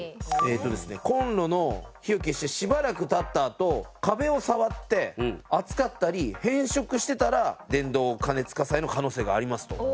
コンロの火を消してしばらく経ったあと壁を触って熱かったり変色してたら伝導過熱火災の可能性がありますと。